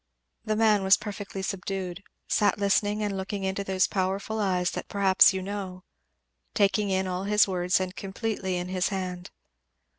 The man was perfectly subdued sat listening and looking into those powerful eyes that perhaps you know, taking in all his words and completely in his hand.